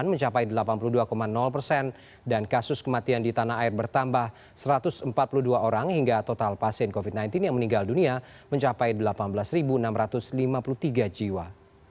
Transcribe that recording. mencapai delapan puluh dua persen dan kasus kematian di tanah air bertambah satu ratus empat puluh dua orang hingga total pasien covid sembilan belas yang meninggal dunia mencapai delapan belas enam ratus lima puluh tiga jiwa